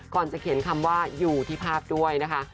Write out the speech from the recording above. ก่อนจะเขียนคำว่าอยู่ที่ภาพด้วยนะคะ